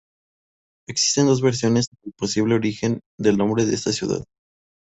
Existen dos versiones sobre el posible origen del nombre de esta ciudad.